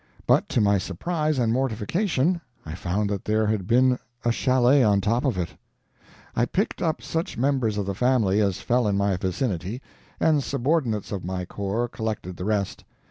But to my surprise and mortification, I found that there had been a chalet on top of it. I picked up such members of the family as fell in my vicinity, and subordinates of my corps collected the rest.